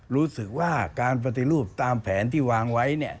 รู้สึกว่าการปฏิรูปตามแผนที่วางไว้เนี่ย